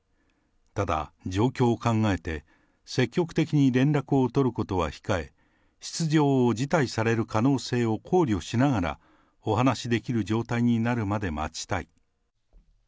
ただ、状況を考えて、積極的に連絡を取ることは控え、出場を辞退される可能性を考慮しながら、お話しできる状態になるまで待ちたい。